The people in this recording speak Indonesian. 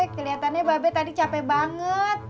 keliatannya mba be tadi capek banget